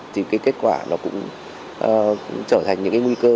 thì cái kết quả nó cũng trở thành những cái nguy cơ